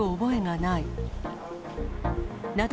など